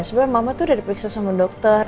sebenarnya mama tuh udah diperiksa sama dokter